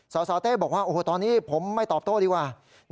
สสเต้บอกว่าโอ้โหตอนนี้ผมไม่ตอบโต้ดีกว่า